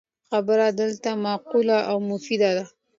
خبره دی معقوله او مفیده ده